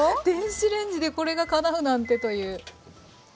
電子レンジでこれがかなうなんてという。